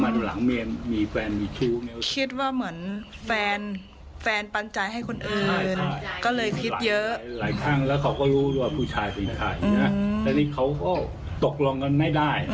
แต่นี่เขาก็ตกลงกันไม่ได้นะมองเหอะ